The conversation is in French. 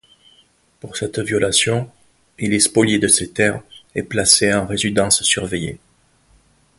Pour cette violation, il est spolié de ses terres et placé en résidence surveillée.